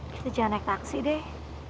kita jangan naik taksi deh